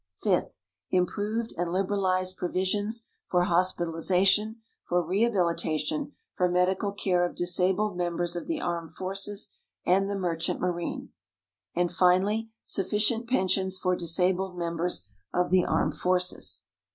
Fifth, improved and liberalized provisions for hospitalization, for rehabilitation, for medical care of disabled members of the armed forces and the merchant marine. And finally, sufficient pensions for disabled members of the armed forces.